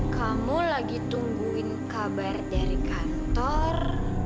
kamu lagi tungguin kabar dari kantor